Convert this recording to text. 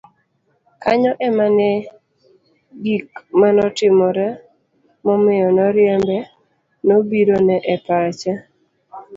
kanyo ema ne gik manotimore momiyo noriembe nobirone e pache